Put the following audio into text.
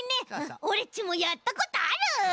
オレっちもやったことある！